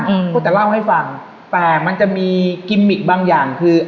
ก็จะเล่าให้ฟังแต่มันจะมีกิมมิกบางอย่างคือ